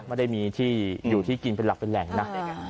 ไม่ได้มีที่อยู่ที่กินเป็นหลักเป็นแหล่งนะ